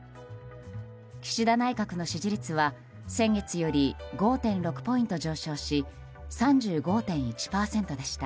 岸田内閣の支持率は先月より５．６ポイント上昇し３５．１％でした。